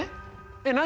えっ何？